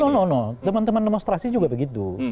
no no no teman teman demonstrasi juga begitu